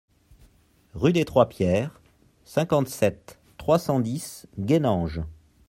Rue des trois Pierres, cinquante-sept, trois cent dix Guénange